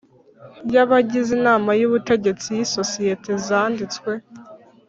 y abagize Inama y Ubutegetsi y isosiyete zanditswe